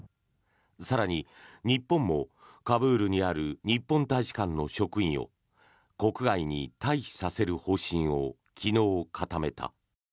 更に、日本もカブールにある日本大使館の職員を国外に退避させる方針を昨日、固めた。